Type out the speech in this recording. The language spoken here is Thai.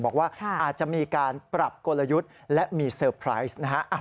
บอกว่าอาจจะมีการปรับกลยุทธ์และมีเซอร์ไพรส์นะฮะ